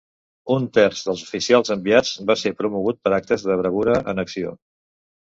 Un terç dels oficials enviats va ser promogut per actes de bravura en acció.